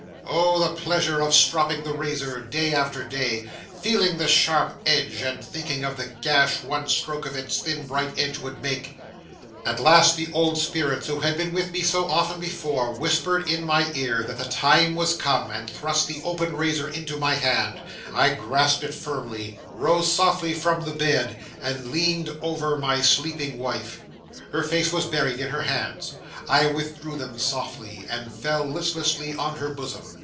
Oh! the pleasure of stropping the razor day after day, feeling the sharp edge, and thinking of the gash one stroke of its thin, bright edge would make! 'At last the old spirits who had been with me so often before whispered in my ear that the time was come, and thrust the open razor into my hand. I grasped it firmly, rose softly from the bed, and leaned over my sleeping wife. Her face was buried in her hands. I withdrew them softly, and they fell listlessly on her bosom.